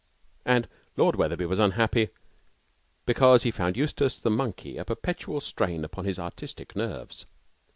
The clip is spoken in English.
And Lord Wetherby was unhappy because he found Eustace, the monkey, a perpetual strain upon his artistic nerves.